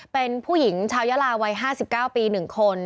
เป็นผู้หญิงชาวยาลาวัย๕๙ปี๑คน